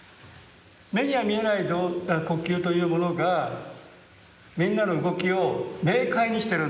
目には見えない呼吸というものがみんなの動きを明快にしてるんですよ。